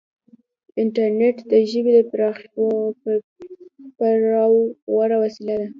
انټرنیټ د ژبې د خپراوي غوره وسیله ده.